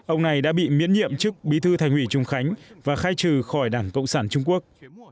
ông này đã bị miễn nhiệm chức bí thư thành ủy trung khánh và khai trừ khỏi đảng cộng sản trung quốc